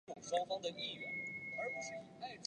特斯特诺是克罗地亚南部杜布罗夫尼克的一个区。